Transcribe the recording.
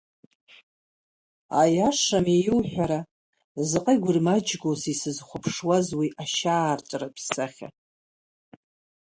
Аиашами иуҳәара, заҟа игурмаҷгоузеи сызхуаԥшуаз уи ашьаарҵәыратә сахьа.